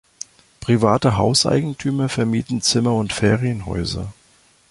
Private Hauseigentümer vermieten Zimmer und Ferienhäuser.